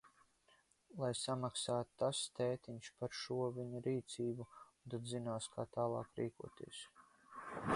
Lai samaksā tas tētiņš par šo viņa rīcību, un tad zinās, kā tālāk rīkoties.